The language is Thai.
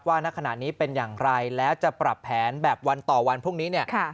ณขณะนี้เป็นอย่างไรแล้วจะปรับแผนแบบวันต่อวันพรุ่งนี้เนี่ย